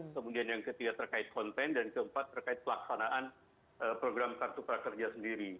kemudian yang ketiga terkait konten dan keempat terkait pelaksanaan program kartu prakerja sendiri